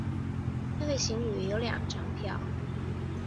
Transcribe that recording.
那对情侣有两张票